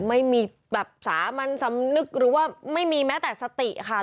ไม่มีแบบสามัญสำนึกหรือว่าไม่มีแม้แต่สติค่ะ